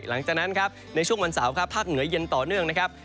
หลังจากนั้นครับในช่วงวันเสาร์ครับภาคเหนือเย็นต่อเนื่องนะครับ